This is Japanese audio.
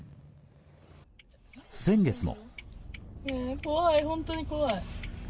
先月も。